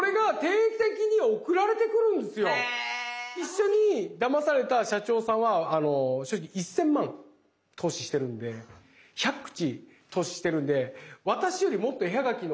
一緒にだまされた社長さんは１，０００万投資してるんで１００口投資してるんで私よりもっと絵はがきの大きさがデカいんですよね